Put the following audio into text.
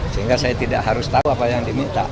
sehingga saya tidak harus tahu apa yang diminta